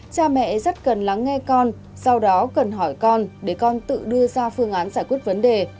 cha mẹ rất cần lắng nghe con sau đó cần hỏi con để con tự đưa ra phương án giải quyết vấn đề